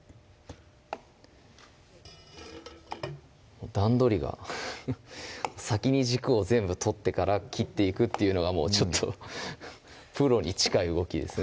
もう段取りが先に軸を全部取ってから切っていくっていうのがちょっとプロに近い動きですね